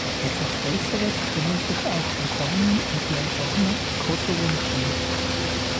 Etwas Besseres können sich auch Albanien und die Albaner im Kosovo nicht wünschen.